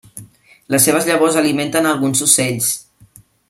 Les seves llavors alimenten alguns ocells.